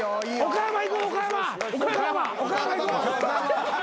岡山いこう。